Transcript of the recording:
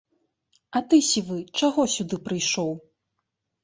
А ты, сівы, чаго сюды прыйшоў?